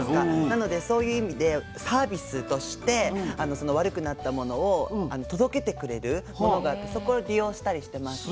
なのでそういう意味でサービスとしてその悪くなったものを届けてくれるものがあってそこを利用したりしてます。